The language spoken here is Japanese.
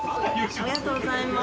ありがとうございます。